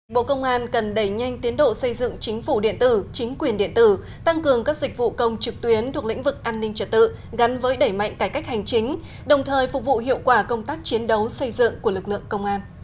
bộ công an cần đẩy nhanh tiến độ xây dựng chính phủ điện tử chính quyền điện tử tăng cường các dịch vụ công trực tuyến thuộc lĩnh vực an ninh trật tự gắn với đẩy mạnh cải cách hành chính đồng thời phục vụ hiệu quả công tác chiến đấu xây dựng của lực lượng công an